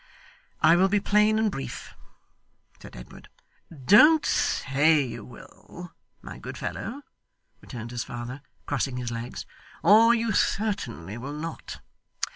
'I will be plain, and brief,' said Edward. 'Don't say you will, my good fellow,' returned his father, crossing his legs, 'or you certainly will not.